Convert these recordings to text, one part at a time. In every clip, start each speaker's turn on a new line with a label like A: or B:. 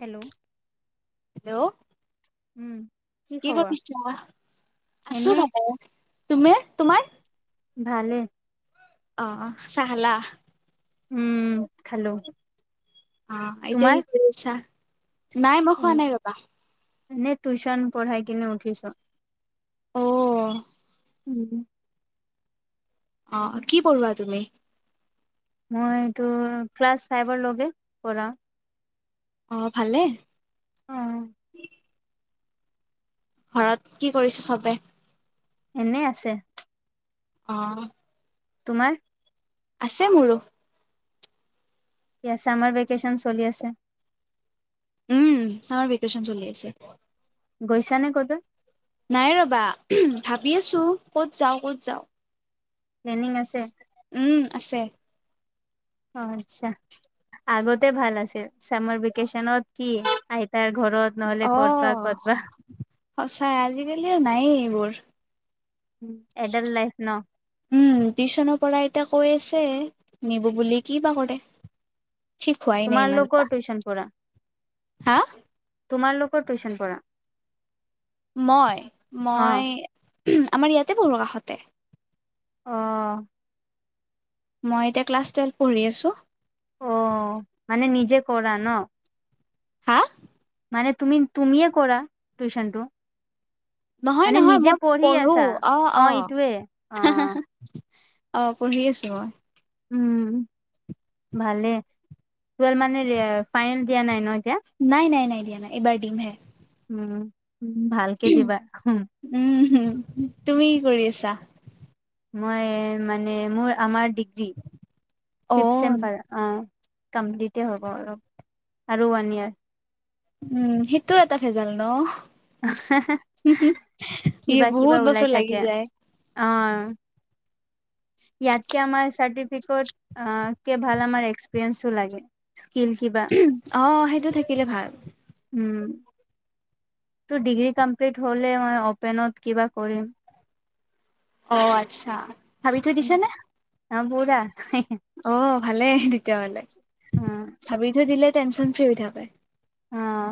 A: Hello
B: hello
A: উম
B: কি কৰিছা আছো
A: এনে
B: বাৰ তুমি তোমাৰ
A: ভালে
B: অহ চাহ খালা
A: উম খালো
B: অ এতিয়া
A: তোমাৰ
B: কি কৰি আছা নাই মই খোৱা নাই ৰাবা
A: নে টিউশ্যন পঢ়াই কিনে উঠিছো
B: অ
A: উম
B: অ কি পঢ়োৱা তুমি
A: মই এইটো ক্লাছ ফাইভৰ লগে পঢ়াও
B: অহ ভালে
A: অ
B: ঘৰত কি কৰিছে চবে
A: এনেই আছে
B: অ
A: তোমাৰ
B: আছে মোৰো
A: এয়া চামাৰ ভেকেশচন চলি আছে
B: উম চামাৰ ভেকেচন চলি আছে
A: গৈছা নে ক'ৰবাত?
B: নাই ৰ'বা, ভাবিছো ক'ত যাওঁ, ক'ত যাওঁ
A: প্লেনিং আছে?
B: উম, আছে।
A: অ, আচ্ছা, আগতে ভাল আছিল, চামাৰ ভেকেচনত কি, আইতাৰ ঘৰত, নহ'লে ক'তবা,
B: অ',
A: কত'বা
B: সঁচাই, আজিকালি আৰু নায়ে এইবোৰ
A: এডাল্ট লাইফ ন?
B: উম, টিউচনৰ পৰা এতিয়া কৈ আছে, নিব বুলি, কি বা কৰে! থিক হোৱাই নাই ইমান
A: তোমালোকৰ
B: এটা
A: টিউচন
B: হাঁ
A: তোমাৰনো ক'ত টিউশন পঢ়া?
B: মই,
A: অ
B: মই আমাৰ ইয়াতে পঢ়ো, কাষতে
A: অ'
B: মই এতিয়া ক্লাছ টুৱেলভ পঢ়ি আছোঁ
A: অ', মানে নিজে কৰা ন?
B: হাঁ?
A: মানে তুমি, তুমিৱে কৰা টিউচনটো?
B: নহয়,
A: মানে
B: নহয়,
A: নিজে
B: মই
A: পঢ়ি
B: পঢ়ো।
A: আছা?
B: অ, অ।
A: এইটোৱে অ',
B: অ' পঢ়ি আছোঁ মই।
A: উম, ভালে, টুৱেলভ মানে ফাইনেল দিয়া নাই ন এতিয়া?
B: নাই, নাই, নাই দিয়া, নাই। এইবাৰ দিম হে।
A: উম, ভালকে দিবা, হুম
B: উম হম তুমি কি কৰি আছা
A: মই মানে মোৰ আমাৰ ডিগ্ৰী
B: অ
A: ফিফ চেম্পাৰ অ কমপ্লিতে হ'ব অলপ আৰু ওৱান ইয়াৰ
B: উম সিটোও এটা ভেজাল ন হো হো
A: কিবা কিবা
B: বহুত
A: ওলাই
B: বছৰ
A: থাকে।
B: লাগি যায় [inaudible]
A: ইয়াত কে আমাৰ চাৰ্টিফিকেট আহ কে ভাল আমাৰ এক্সপিৰিঞ্জটো লাগে কিল কিবা
B: অ সেইটো থাকিলে ভাল
A: উম তো ডিগ্ৰী কমপ্লিট হ'লে মই অপেনত কিবা কৰিম
B: অ আচ্ছা ভাবি থৈ দিছে নে
A: গামবুঢ়া
B: অ ভালেই তেতিয়াহলে,
A: অ
B: ভাবি থৈ দিলে টেনচন ফ্ৰি হৈ থাকে।
A: অহ।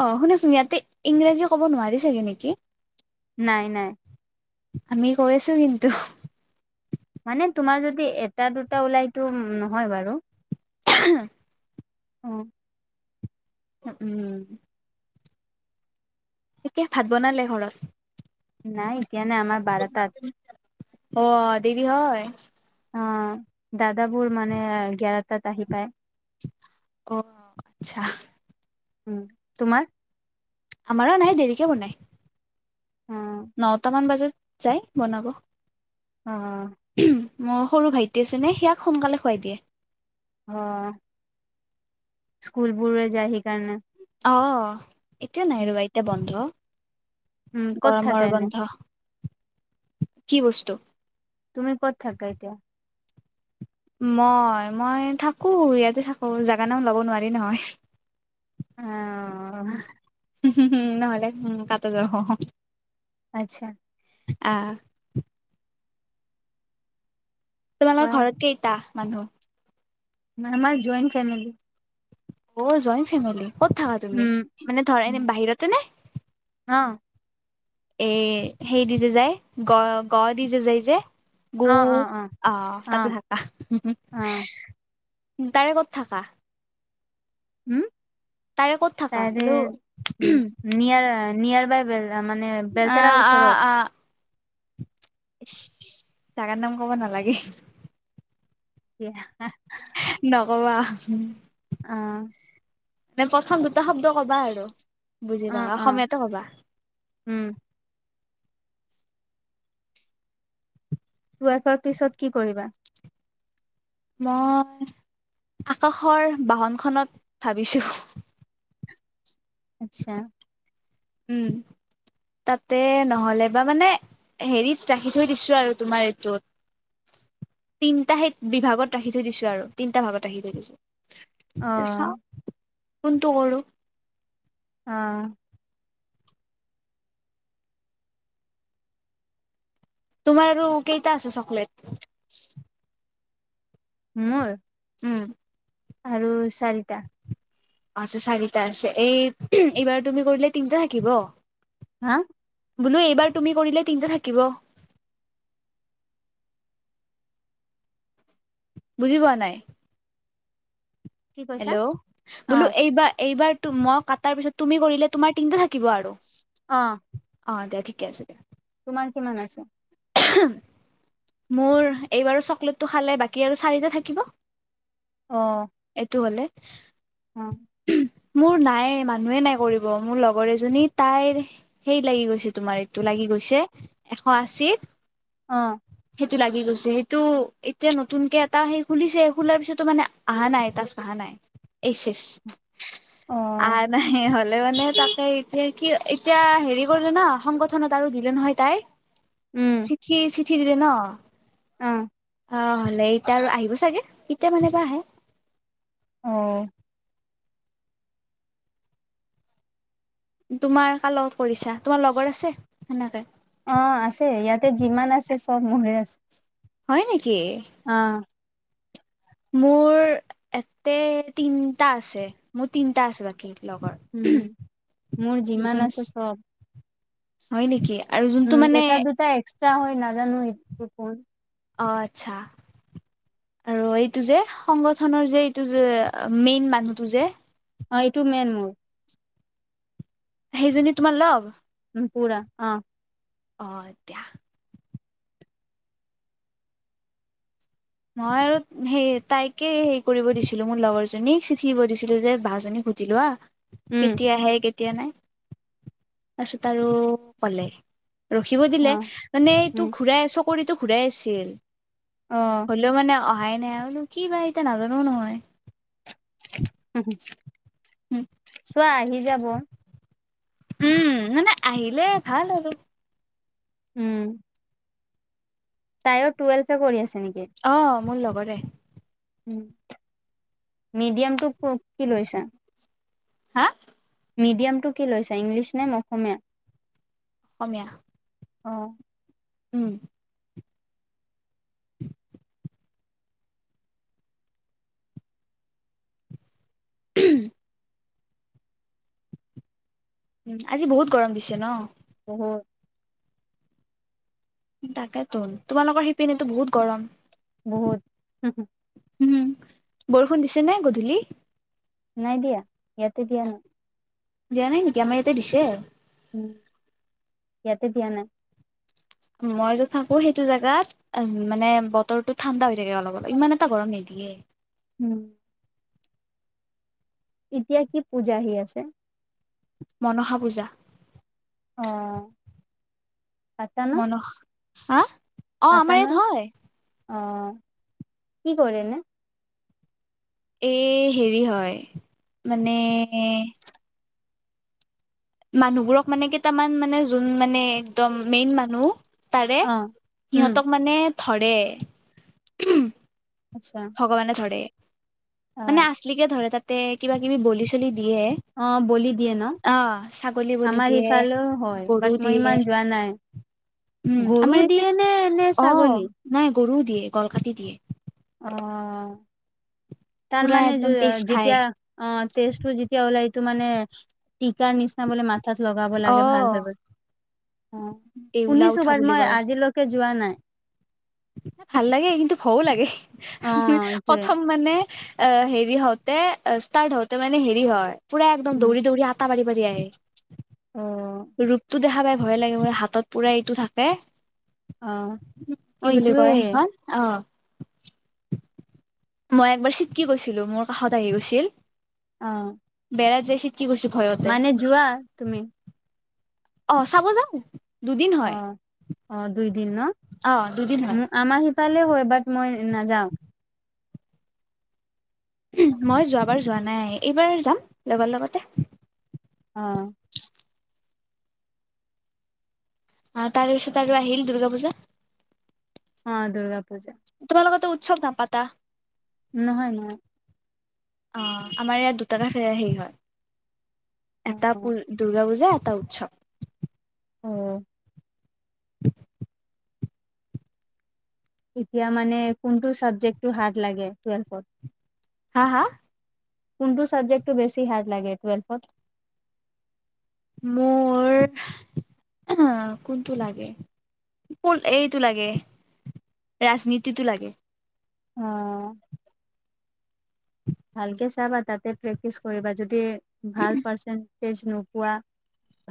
B: অ শুনাচোন, ইয়াতে ইংৰাজী ক'ব নোৱাৰি চাগে নেকি?
A: নাই নাই।
B: আমি কই আছো কিন্তু।
A: মানে তোমাৰ যদি এটা -দুটা ওলাইতো নহয় বাৰু।
B: আহঃ
A: অ।
B: উম। এতিয়া ভাত বনালে ঘৰত?
A: নাই এতিয়া নাই আমাৰ বাৰটাত।
B: অ, দেৰি হয়।
A: অ দাদাবোৰ মানে গেৰাটাত আহি পায়।
B: অ, আতচ্ছা।
A: উম, তোমাৰ?
B: আমাৰো নাই দেৰিকে বনায়।
A: অ
B: নটামান বজাত যাই বনাব।
A: অ।
B: মোৰ সৰু ভাইটি আছে নে, সিয়াক সোনকালে শুৱাই দিয়ে।
A: অহ। স্কুলবোৰৰে যায় সেইকাৰণে
B: অ, এতিয়া নাই ৰ'বা এতিয়া বন্ধ।
A: উম ক'ত থাকা
B: গৰমৰ
A: এনে
B: বন্ধ। কি বস্তু?
A: তুমি ক'ত থাকা এতিয়া?
B: মই, মই থাকো ইয়াতে থাকো। জেগা নাম ল'ব নোৱাৰি নহয়।
A: আহ।
B: নহ'লে উম, কাট যাব।
A: আচ্ছা।
B: আ।
A: কোৱা
B: তোমালোকৰ ঘৰত কেইটা, মানুহ?
A: নাই আমাৰ জইণ্ট ফেমিলি।
B: অ', জইন ফেমিলি? ক'ত থাবা তুমি?
A: উম
B: মানে ধৰা এনে বাহিৰতে নে?
A: অ
B: এই সেই দি যে যায়, গ, গ দি যে যায় যে! গু
A: অ অ
B: অ', তাতে থাকা? তাৰে ক'ত থাকা?
A: উম,
B: তাৰে ক'ত থাকা
A: তাৰে
B: বোলো
A: উ নিয়াৰা, নিয়াৰ তাৰমানে বেলতৰাৰ
B: আহ
A: ওচৰত।
B: জগা এই নাম ক'ব নালাগে।
A: এয়া।
B: উম।
A: অ
B: মে প্ৰথম দুটা শব্দ কবা আৰু। বুজি
A: অ
B: পা
A: অ
B: অসমীয়াতটো কবা।
A: উম টৱাইফৰ পিছত কি কৰিবা।
B: মই আকাশৰ বাহনখনত ভাবিছোঁ।
A: আচ্ছা',
B: উম, তাতে নহ'লে বা মানে হেৰিত ৰাখি থৈ দিছো আৰু তোমাৰ এইটোত। তিনটা সে বিভাগত ৰাখি থৈ দিছো আৰু তিনটা ভাগত ৰাখি থৈ দিছো।
A: অহ,
B: চাও কোনটো কৰো।
A: অহ
B: তোমাৰ ৰৌ কেইটা আৰু চকলেত।
A: [inaudible] মোৰ
B: উম
A: আৰু চাৰিটা।
B: আচ্ছা, চাৰিটা আছে এই এইবাৰ তুমি কৰিলে তিনটা থাকিব।
A: হা
B: বোলো এইবাৰ তুমি কৰিলে তিনিটা থাকিব। বুজি পোৱা নাই।
A: কি কৈছা
B: হেল্ল'
A: অ
B: বোলো এইবাৰ এইবাৰ মই কটাৰ পিছত তুমি কৰিলে তোমাৰ টীম থা কিবা আৰু
A: অ
B: অ' দিয়া ঠিকে আছে দিয়া।
A: তোমাৰ কিমান আছে?
B: মোৰ এইবাৰ চকলেটটো খালে বাকী আৰু চাৰিটা থাকিব।
A: অ
B: এইটো হলে
A: অ
B: মোৰ নাই মানুহে নাই কৰিব মোৰ লগৰ এজনী তাইৰ সেই লাগি গৈছে তোমাৰ এইটো ল। লাগি গৈছে এশ আশী।
A: অ।
B: সেইটো লাগি গৈছে সেইটো এতিয়া নতুনকে এটা সেই খুলিছে খোলাৰ পিছতো মানে অহা নাই তাজ অহা নাই। এচ-এচ
A: অ
B: আহা নাই। লে মানে তাকে এতিয়া কি এতিয়া হেৰি কৰিলো ন সংগঠনত আৰু দিলে নহয় তাই। চিঠি-চিঠি দিলে ন।
A: অহ,
B: অ' হ'লে এতিয়া আৰু আহিব চাগে এতিয়া মানে বা আহে।
A: অহ,
B: তোমাৰ কাৰলগত কৰিছা তোমাৰ লগৰ আছে সেনেকে?
A: অ' আছে ইয়াতে যিমান আছে চব মৰে আছে।
B: হয় নেকি?
A: অ
B: মোৰ এতে তিনটা আছে মোৰ তিনটা আছে বাকী। লগৰ
A: উম মোৰ যিমান
B: দুজনী
A: আছে চব
B: হয় নেকি? আৰু যোনটো
A: উম,
B: মানে
A: এটা দুটা এক্সট্ৰা হয় নাজানোটো কোন?
B: অ' আচ্ছা, আৰু এইটো যে সংগঠনৰ যে এইটো যে মেইন মানুহটো যে
A: অ'এইটো মেন মোৰ।
B: সেইজনী তোমাৰ লগ?
A: পুৰা অ।
B: অ, দিয়া। মই আৰু সেই তাইকে হেৰি কৰিব দিছিলো মোৰ লগৰজনীক চিচিব দিছিলো যে বাজনী। সুধিলোৱা।
A: উম
B: কেতিয়া আহে কেতিয়া নাই তাৰপাছত আৰু কলে। ৰখিব
A: অ
B: দিলে মানে
A: উম
B: এইটোক ঘূৰাই চকৰিতটো ঘূৰাই আছিল।
A: অ।
B: হ'লেও মানে অহাই নাই হনো কি বা এতিয়া নাজানোও নহয়।
A: [unintelligible]
B: উম।
A: [unintelligible] আহি যাব।
B: উম মানে আহিলে ভাল আৰু।
A: উম। তাইও টুৱেলভে কৰি আছে। নেকি
B: অ মোৰ লগৰে।
A: মিডিয়ামটো কি লৈছা?
B: হা?
A: মিডিয়ামটো কি লৈছো ইংলিছ নে অসমীয়া?
B: অসমীয়া।
A: অহ।
B: উম। [unintelligible] উম আজি বহুত গৰম দিছে ন?
A: বহুত।
B: তাকে তোন তোমালোকৰ শিপিনীতো বহুত গৰম?
A: বহুত।
B: উম বৰষুণ দিছে নাই গধূলি
A: নাই দিয়া ইয়াতে [unintelligible]
B: দিয়া নাই নেকি আমাৰ ইয়াতে দিছে
A: উম এয়াতে দিয়া নাই
B: মই যে থাকো সেইটো জোগাত অ মানে বতৰটো ঠাণ্ডা হৈ থাকে অলপ অলপ ইমান এটা গৰম নিদিয়ে [unintelligible]
A: উম এতিয়া কি পূজা আহি আছে
B: মনসা পূজা
A: অঁ
B: মন হা অ আমাৰ
A: পাতানা
B: ইয়াত হয়
A: অ কি কৰেনে
B: এ হেৰি হয় মানে মানুহবোৰক মানে কেইটামান মানে যোন মানে একদম মেইন মানুহ তাৰে
A: অ উম
B: সিহঁতক মানে ধৰে
A: আচ্ছা
B: ভগৱান ধৰে
A: অ
B: মানে আছিললিকে ধৰে তাতে কিবা কিবি বলি চলি দিয়ে
A: অ বলি দিয়ে ন
B: ছাগলী বুলিল
A: আমাৰ
B: দিয়ে
A: সিফালেও হয় বাট
B: গৰু
A: মই
B: দিয়ে
A: ইমান যোৱা নাই
B: উম
A: গৰু
B: আমাৰ ইয়াতে
A: দিয়ে নে নে
B: অ
A: ছাগলী
B: নাই গৰুও দিয়ে কল কাতি দিয়ে
A: অ তাৰ
B: পুৰা
A: মানে
B: একদম তেজ খাই
A: যেতিয়া অ তেজটো যেতিয়া ওলাইতো মানে টিকাৰ নিচিনা মাথাত লগাব
B: অ
A: লাগে ভাল হৈ গ'ল অ
B: দেউলা
A: শুনিছো
B: উঠা
A: বাৰ
B: বুলি
A: মই
B: কয়
A: আজিলৈকে যোৱা নাই
B: ভাল লাগে কিন্তু ভয়ও লাগে
A: অ এইটোয়ে
B: প্ৰথম মানে অ হেৰি হওঁতে ষ্টাৰ্ট হওঁতে মানে হেৰি হয় পুৰা একদম
A: উম
B: দৌৰি দৌৰি আটা পাৰি পাৰি [unintelligible]
A: অ
B: ৰূপটো দেখা পাই ভয় লাগে মো হাতত পুৰা এইটো থাকে
A: অ অ
B: কি বুলি
A: এইটোয়ে
B: কয় সেইখন অ মই একবাৰ চিট্কি গৈছিলো মোৰ কাষত আহি গৈছিল
A: অ
B: বেৰাত যে চিপ্পতি গৈছো
A: মানে
B: ভয়তে
A: যোৱা তুমি
B: অ চাব যাওঁ দুদিন
A: অ
B: হয়
A: অ দুইদিন
B: অ', দুদিন হয়,
A: ন আমাৰ সিফালে হয় বাট মই নাযাওঁ
B: মই যোৱাবাৰ যোৱা নাই এইবাৰ যাম লগত লগতে
A: অ
B: অ তাৰপিছতে আৰু আহিল দুৰ্গা পূজা
A: অ দুৰ্গা পূজা
B: তোমালোকৰ তো উৎসৱ নাপাতা
A: নহয় নহয়
B: আহ আমাৰ ইয়াত দুটাটাে [unintelligible] হেৰি হয়
A: অ
B: এটা দুৰ্গা পূজা এটা উৎসৱ
A: অ
B: [unintelligible]
A: এতিয়া মানে কোনটো ছাবজেক্টটো হাৰ্ড লাগে টুৱেলফত
B: হা হা
A: কোনটো চাবজেক্টটো বেছি হাত লাগে টুৱেলফত
B: মোৰ কোনটো লাগে এইটো লাগে ৰাজনীতিতো লাগে
A: অ ভালকে চাবা তাতে প্ৰেক্টিচ কৰিবা যদি ভাল পাৰ্চেণ্টেজ নোপোৱা।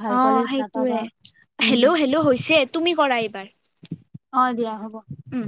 A: ভাল
B: অ',
A: কলেজ নাপাবা
B: সেইটোয়ে
A: উম
B: হেল্লো, হেল্লো, হৈছে তুমি কৰা এইবাৰ
A: অ', দিয়া হ'ব।
B: উম।